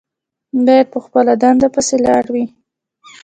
باید په خپله دنده پسې ولاړ وي.